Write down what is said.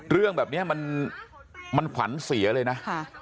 เรื่องแบบเนี้ยมันมันขวัญเสียเลยนะค่ะ